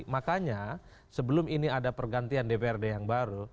makanya sebelum ini ada pergantian dprd yang baru